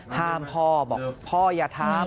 ห้ามพ่อบอกพ่ออย่าทำ